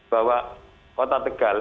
bahwa kota tegal